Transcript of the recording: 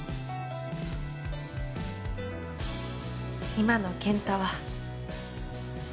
今の健太は。